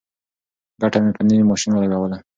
ګټه مې په نوي ماشین ولګوله.